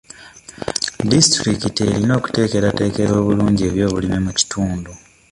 Disitulikiti erina okuteekerateekera obulungi ebyobulimi mu kitundu .